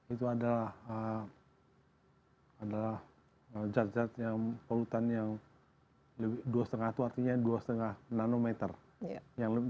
itu adalah a hai adalah zat zat yang kolutan yang lebih dua lima artinya dua setengah nanometer yang lebih